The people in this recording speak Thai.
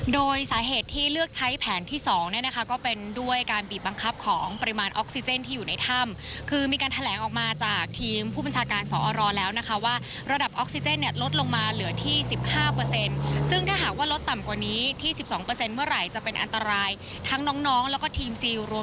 โดยสาเหตุที่เลือกใช้แผนที่๒เนี่ยนะคะก็เป็นด้วยการบีบบังคับของปริมาณออกซิเจนที่อยู่ในถ้ำคือมีการแถลงออกมาจากทีมผู้บัญชาการสอรแล้วนะคะว่าระดับออกซิเจนเนี่ยลดลงมาเหลือที่๑๕ซึ่งถ้าหากว่าลดต่ำกว่านี้ที่๑๒เมื่อไหร่จะเป็นอันตรายทั้งน้องแล้วก็ทีมซีล